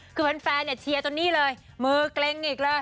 คือเพราะแฟนเชียร์จนนี้เลยมือเกร็งอีกเลย